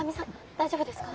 大丈夫ですか！